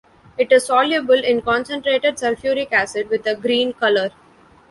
It is soluble in concentrated sulfuric acid with a green color.